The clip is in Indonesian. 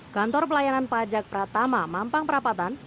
kantor pelayanan pajak pratama mampang perapatan